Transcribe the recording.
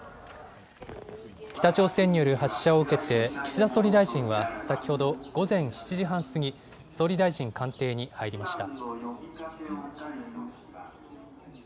北朝鮮による発射を受けて、岸田総理大臣は、先ほど午前７時半過ぎ、総理大臣官邸に入りました。